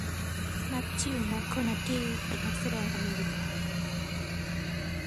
แมทธิวแม็กโคนากี้เป็นนักแสดงอเมริกา